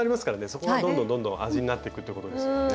そこはどんどんどんどん味になっていくってことですもんね。